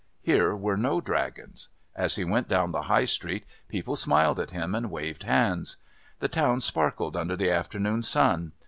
Here were no dragons. As he went down the High Street people smiled at him and waved hands. The town sparkled under the afternoon sun.